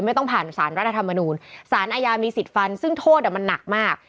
ไม่ต้องผ่านสารรัฐธรรมนูลสารอาญามีสิทธิ์ฟันซึ่งโทษมันหนักมาก